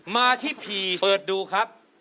มาที่ผีเปิดดูครับ